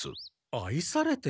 愛されている？